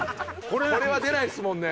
これは出ないですもんね。